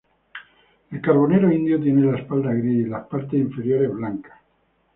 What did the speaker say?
El carbonero indio tiene la espalda gris y las partes inferiores blancas.